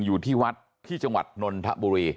อยู่ที่วัดที่จังหวัดนนทบุรี